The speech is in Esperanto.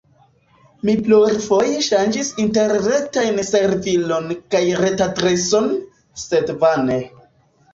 Mi plurfoje ŝanĝis interretajn servilon kaj retadreson, sed vane.